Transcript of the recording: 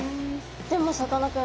でもさかなクン